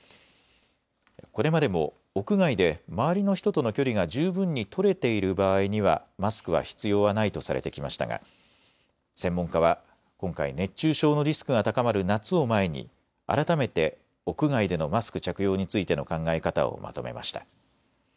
これまでも屋外で周りの人との距離が十分に取れている場合にはマスクは必要はないとされてきましたが専門家は今回、熱中症のリスクが高まる夏を前に改めて屋外でのマスク着用についての考え方をまとめました。